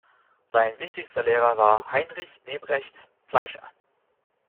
Sein wichtigster Lehrer war Heinrich Leberecht Fleischer.